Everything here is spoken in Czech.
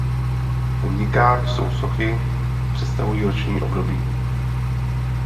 V nikách jsou sochy představují roční období.